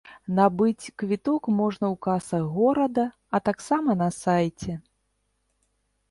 Набыць квіток можна ў касах горада, а таксама на сайце.